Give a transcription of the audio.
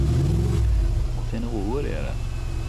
O seni gowy görýär-ä.